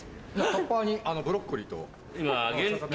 タッパーにブロッコリーと。